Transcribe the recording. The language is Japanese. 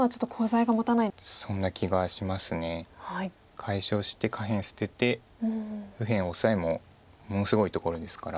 解消して下辺捨てて右辺オサエもものすごいところですから。